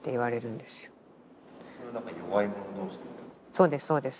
そうですそうです。